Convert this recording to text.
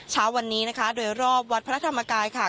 เช้าวันนี้นะคะโดยรอบวัดพระธรรมกายค่ะ